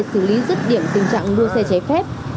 xử lý rứt điểm tình trạng đua xe trái phép